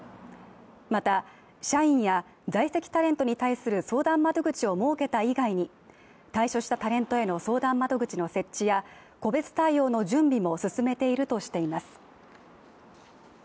また社員や在籍タレントに対する相談窓口を設けた以外に退所したタレントへの相談窓口の設置や、個別対応の準備も進めているとしています。